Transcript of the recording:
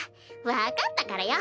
分かったからよ。